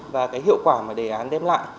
và hiệu quả mà đề án đem lại